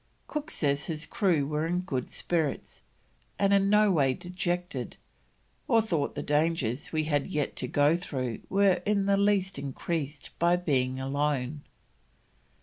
Cook says his crew were in good spirits, and in no way dejected, "or thought the dangers we had yet to go through were in the least increased by being alone."